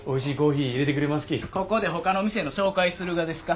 ここでほかの店の紹介するがですか？